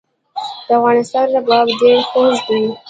د افغانستان رباب ډیر خوږ دی